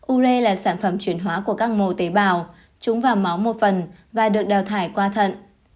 ure là sản phẩm chuyển hóa của các mô tế bào trúng vào máu một phần và được đào thải qua thận